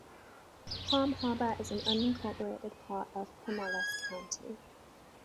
Palm Harbor is an unincorporated part of Pinellas County.